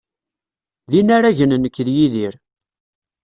D inaragen nekk d Yidir.